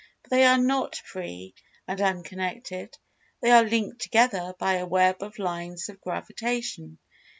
But they are not free and unconnected—they are linked together by a web of lines of Gravitation.